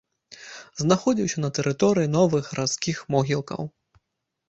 Знаходзіўся на тэрыторыі новых гарадскіх могілкаў.